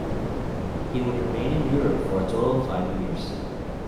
He would remain in Europe for a total of five years.